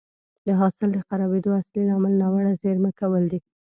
د حاصل د خرابېدو اصلي لامل ناوړه زېرمه کول دي